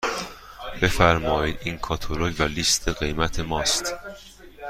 بفرمایید این کاتالوگ و لیست قیمت ماست.